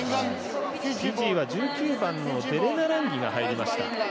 フィジーは、１９番のデレナランギ選手が入りました。